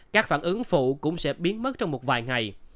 các phản ứng phụ cũng sẽ biến mất trong một vài ngày